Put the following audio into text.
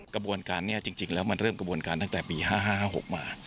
กระบวนการนี้จริงแล้วมันเริ่มกระบวนการตั้งแต่ปี๕๕๖มา